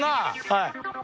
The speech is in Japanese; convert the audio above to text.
はい。